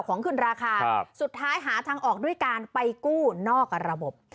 ของขึ้นราคาสุดท้ายหาทางออกด้วยการไปกู้นอกระบบ